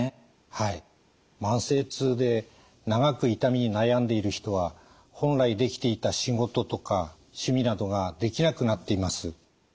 慢性痛で長く痛みに悩んでいる人は本来できていた仕事とか趣味などができなくなっています。